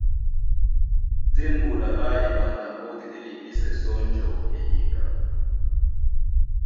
Dîn ɓola lá eɓanda mbódi dí liŋgísɛ sɔ́ njɔ̌ eyeka.